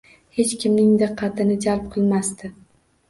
Hech kimning diqqatini jalb qilmasdi.